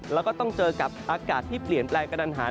แล้วก็ต้องเจอกับอากาศที่เปลี่ยนแปลงกระดันหาร